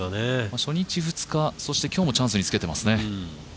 初日、２日、そして今日もチャンスにつけていますね。